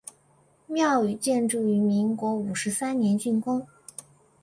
庙宇建筑于民国五十三年竣工。